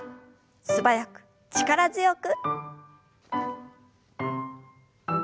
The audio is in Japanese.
素早く力強く。